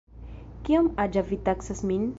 Kiom aĝa vi taksas min?